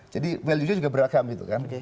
jadi value nya juga beragam gitu kan